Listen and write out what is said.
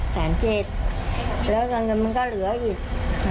แสนเจ็ดแล้วเงินมันก็เหลืออีก